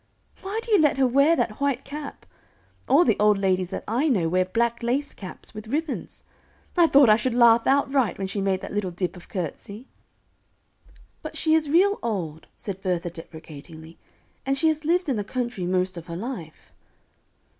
Why do you let her wear that white cap? all the old ladies that I know wear black lace caps, with ribbons. I thought I should laugh outright when she made that little dip of curtsy." "But she is real old," said Bertha, deprecatingly, "and she has lived in the country most of her life."